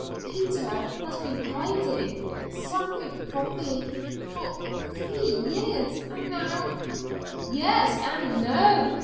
"Peter has been hiding something from me for three years and now " "Yes, an' noo.